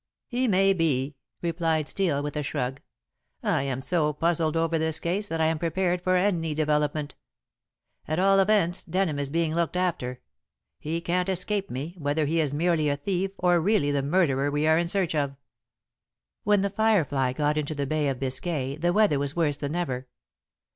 "He may be," replied Steel, with a shrug. "I am so puzzled over this case that I am prepared for any development. At all events, Denham is being looked after. He can't escape me, whether he is merely a thief or really the murderer we are in search of." When The Firefly got into the Bay of Biscay the weather was worse than ever.